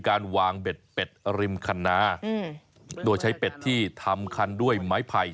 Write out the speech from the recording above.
การวางเบ็ดเป็ดริมคันนาโดยใช้เป็ดที่ทำคันด้วยไม้ไผ่